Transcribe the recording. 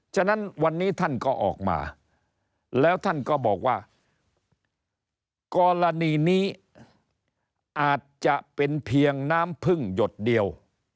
ฉะนั้นวันนี้ท่านก็ออกมาแล้วท่านก็บอกว่ากรณีนี้อาจจะเป็นเพียงน้ำพึ่งหยดเดียว